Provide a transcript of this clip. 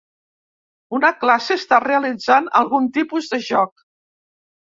Una classe està realitzant algun tipus de joc.